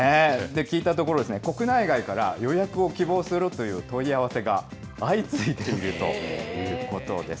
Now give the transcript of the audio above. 聞いたところ、国内外から予約を希望するという問い合わせが相次いでいるということです。